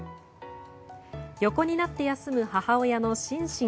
横になって休む母親のシンシン。